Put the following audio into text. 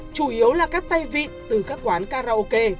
chủ yếu là các tay vịn từ các quốc gia